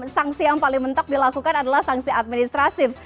sanksi yang paling mentok dilakukan adalah sanksi administrasif